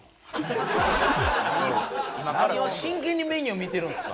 何を真剣にメニュー見てるんですか。